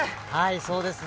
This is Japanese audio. そうですね。